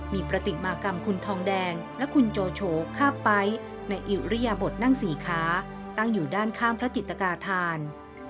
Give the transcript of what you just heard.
มีปฏิมากรรมคุณทองแดงและคุณโจโฉข้าไป๊ในอิริยบทนั่งสี่ขาตั้งอยู่ด้านข้างพระจิตกาธาน